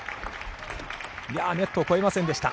ネットを越えませんでした。